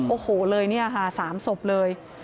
โอ้โฮเลยสามศพเลย